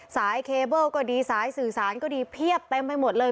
สายเคเบิ้ลก็ดีสายสื่อสารก็ดีเพียบเต็มไปหมดเลย